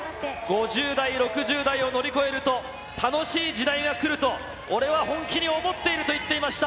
５０代、６０代を乗り越えると、楽しい時代が来ると、俺は本気で思っていると言っていました。